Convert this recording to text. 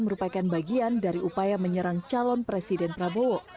merupakan bagian dari upaya menyerang calon presiden prabowo